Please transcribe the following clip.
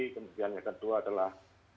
kemudian yang kedua adalah